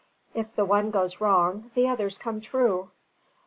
If the one goes wrong, the others come true.